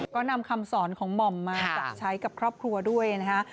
ก็นำคำสอนของหม่อมมาปรับใช้กับครอบครัวด้วยนะฮะ